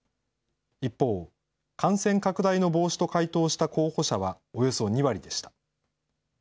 一方、感染拡大の防止と回答した候補者はおよそ２割でした。